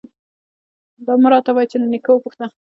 _دا مه راته وايه چې له نيکه وپوښته.